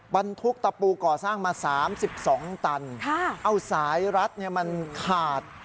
บรรทุกตะปูก่อสร้างมาสามสิบสองตันค่ะเอาสายรัดเนี่ยมันขาด